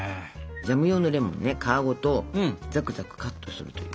ジャム用のレモンね皮ごとザクザクカットするという。